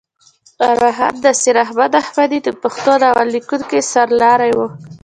ارواښاد نصیر احمد احمدي د پښتو ناول لیکنې سر لاری وه.